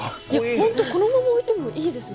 本当このまま置いてもいいですね。